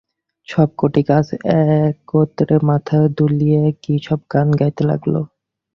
সব কটি গাছ একত্রে মাথা দুলিয়ে কীসব গান করতে লাগল।